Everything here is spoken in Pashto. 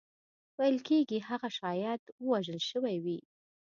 ویل کېږي هغه شاید وژل شوی وي.